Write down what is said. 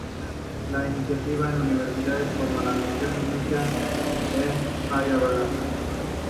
La "Iniciativa en universidades", como la misión inicial de Hollaback!